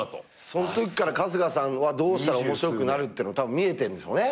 そのときから春日さんはどうしたら面白くなるって見えてるんでしょうね。